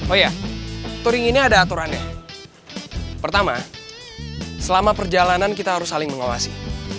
oh ya touring ini ada aturannya pertama selama perjalanan kita harus saling mengawasi